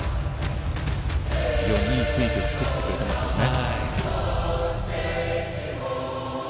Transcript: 非常にいい雰囲気を作ってくれていますね。